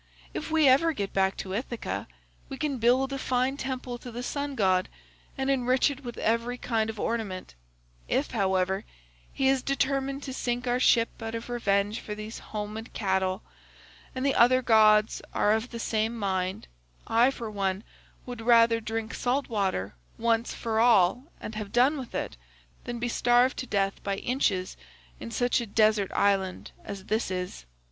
If we ever get back to Ithaca, we can build a fine temple to the sun god and enrich it with every kind of ornament; if, however, he is determined to sink our ship out of revenge for these homed cattle, and the other gods are of the same mind, I for one would rather drink salt water once for all and have done with it, than be starved to death by inches in such a desert island as this is.